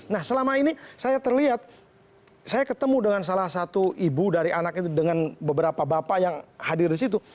nah selama ini saya terlihat saya ketemu dengan salah satu ibu dari anak itu dengan beberapa bapak yang hadir di situ